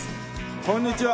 こんにちは。